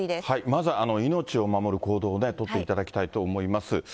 まず命を守る行動を取っていただきたいと思います。